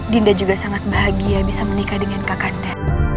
dinda juga sangat bahagia bisa menikah dengan kakaknda